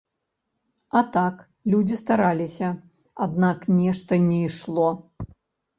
А так, людзі стараліся, аднак нешта не ішло.